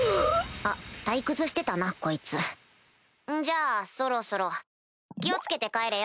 あっ退屈してたなこいつじゃあそろそろ気を付けて帰れよ。